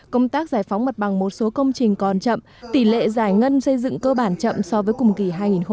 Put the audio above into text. công tác giải phóng mặt bằng một số công trình còn chậm tỷ lệ giải ngân xây dựng cơ bản chậm so với cùng kỳ hai nghìn một mươi chín